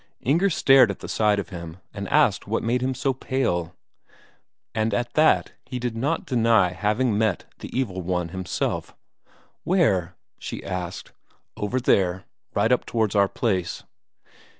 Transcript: Inger started at the sight of him, and asked what made him so pale. And at that he did not deny having met the Evil One himself. "Where?" she asked. "Over there. Right up towards our place."